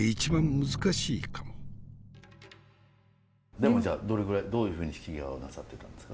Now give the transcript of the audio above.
でもじゃあどういうふうに引き際をなさってるんですか？